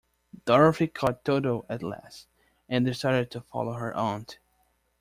Dorothy caught Toto at last, and started to follow her aunt.